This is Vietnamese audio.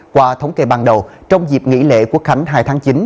qua thống kê ban đầu trong dịp nghỉ lễ quốc khánh hai tháng chín